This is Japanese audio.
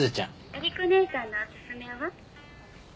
「えり子姉さんのおすすめは？」